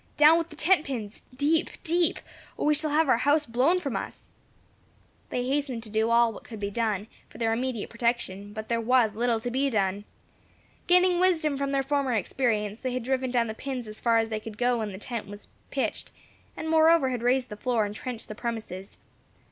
Down with the tent pins! deep! deep! or we shall have our house blown from above us." They hastened all to do what could be done for their immediate protection; but there was little to be done. Gaining wisdom from their former experience, they had driven down the pins as far as they could go when the tent was pitched, and moreover had raised the floor and trenched the premises.